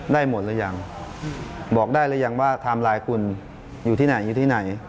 หมดหรือยังบอกได้หรือยังว่าไทม์ไลน์คุณอยู่ที่ไหนอยู่ที่ไหน